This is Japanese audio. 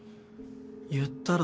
言ったろ。